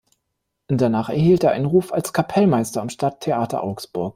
Danach erhielt er einen Ruf als Kapellmeister am Stadttheater Augsburg.